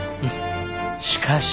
しかし。